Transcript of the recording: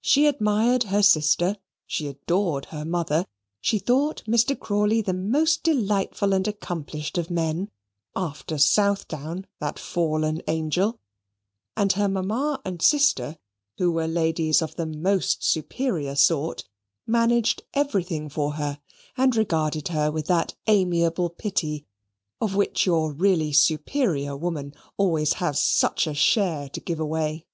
She admired her sister, she adored her mother, she thought Mr. Crawley the most delightful and accomplished of men, after Southdown, that fallen angel: and her mamma and sister, who were ladies of the most superior sort, managed everything for her, and regarded her with that amiable pity, of which your really superior woman always has such a share to give away.